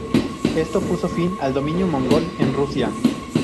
Esto puso fin al dominio mongol en Rusia.